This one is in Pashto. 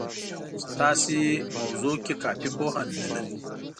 چې تاسې موضوع کې کافي پوهه نه لرئ